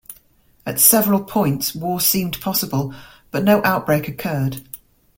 At several points war seemed possible, but no outbreak occurred.